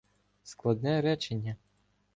Складне речення